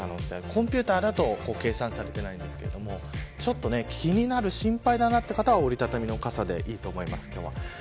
コンピューターだと計算されていませんが気になる、心配だという方は折り畳み傘でいいと思います。